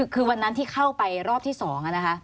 คือวันนั้นที่เข้าไปรอบที่๒นะคะ